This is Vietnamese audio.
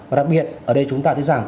và đặc biệt ở đây chúng ta thấy rằng